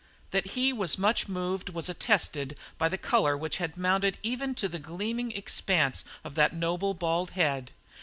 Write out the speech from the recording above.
That he was much moved was attested by the colour which had mounted even to the gleaming expanse of that nobly bald head.